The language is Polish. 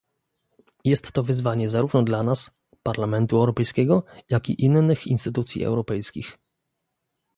Jest to wyzwanie zarówno dla nas, Parlamentu Europejskiego, jak i innych instytucji europejskich